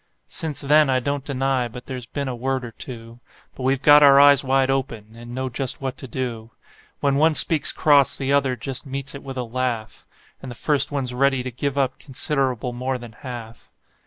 Since then I don't deny but there's been a word or two; But we've got our eyes wide open, and know just what to do: When one speaks cross the other just meets it with a laugh, And the first one's ready to give up considerable more than half.